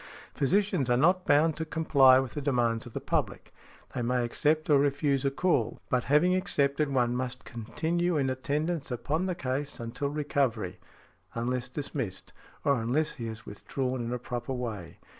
Physicians are not bound to comply with the demands of the public; they may accept or refuse a call: but having accepted, one must continue in attendance upon the case until recovery, unless dismissed, or unless he has withdrawn in a proper way.